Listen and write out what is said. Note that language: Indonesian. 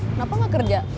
kenapa gak kerja